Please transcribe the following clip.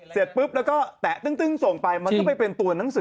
เสร็จปุ๊บแล้วก็แตะตึ้งส่งไปมันก็ไปเป็นตัวหนังสือ